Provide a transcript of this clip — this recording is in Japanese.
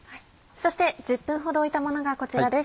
そして１０分ほど置いたものがこちらです。